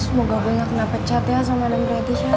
semoga gue gak kena pecat ya sama madam pretty ya